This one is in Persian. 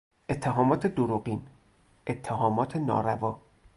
اتهامات دروغین، اتهامات ناروا